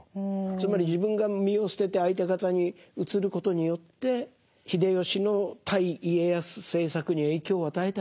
つまり自分が身を捨てて相手方に移ることによって秀吉の対家康政策に影響を与えたい。